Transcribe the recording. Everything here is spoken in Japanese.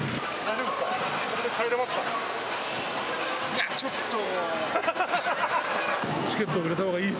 いや、ちょっと。